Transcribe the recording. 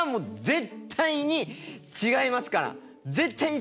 絶対に違いますからね！